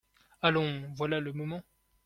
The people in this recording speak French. Allons, voilà le moment !